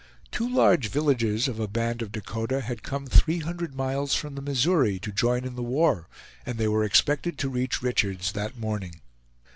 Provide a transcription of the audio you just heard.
Two large villages of a band of Dakota had come three hundred miles from the Missouri, to join in the war, and they were expected to reach Richard's that morning.